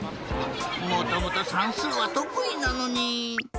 もともとさんすうはとくいなのに。